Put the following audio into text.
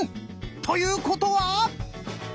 ということは！